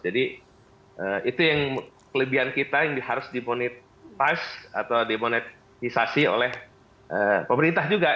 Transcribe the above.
jadi itu yang kelebihan kita yang harus demonetise atau demonetisasi oleh pemerintah juga